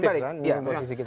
berikan tempat balik